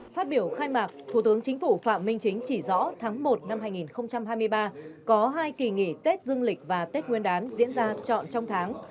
phát biểu khai mạc thủ tướng chính phủ phạm minh chính chỉ rõ tháng một năm hai nghìn hai mươi ba có hai kỳ nghỉ tết dương lịch và tết nguyên đán diễn ra trọn trong tháng